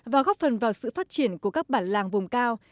và góp phần vào sự phát triển của các bản làng vùng cao